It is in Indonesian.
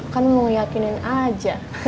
kan mau yakinin aja